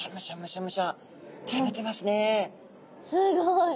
すごい。